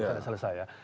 sudah selesai ya